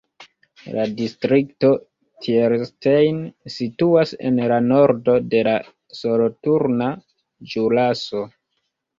La distrikto Thierstein situas en la nordo de la Soloturna Ĵuraso.